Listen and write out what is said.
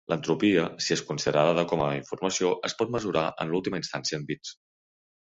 L'entropia, si és considerada com a informació, es pot mesurar en última instància en bits.